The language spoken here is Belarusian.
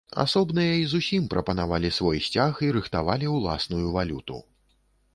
Асобныя і зусім прапанавалі свой сцяг і рыхтавалі ўласную валюту.